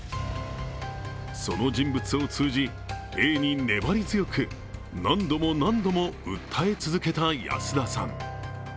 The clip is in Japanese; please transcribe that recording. その人物を通じ、Ａに粘り強く何度も何度も訴え続けた安田さん。